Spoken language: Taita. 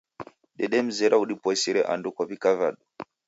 Dedemzera udipoisire ando kow'ika vadu